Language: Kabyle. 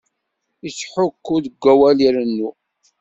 Ittḥukku deg awal irennu.